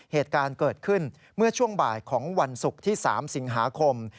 เหตุการณ์เกิดขึ้นเมื่อช่วงบ่ายของวันศุกร์ที่๓สิงหาคม